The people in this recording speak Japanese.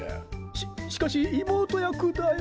ししかしいもうとやくだよ？